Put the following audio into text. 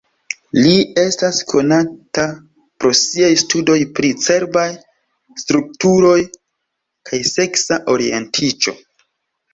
Li estas konata pro siaj studoj pri cerbaj strukturoj kaj seksa orientiĝo.